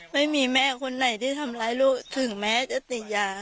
ไม่มีแม่คนไหนที่ทำร้ายลูกถึงแม้จะติดยา